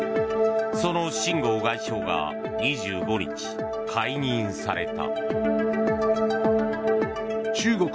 そのシン・ゴウ外相が２５日、解任された。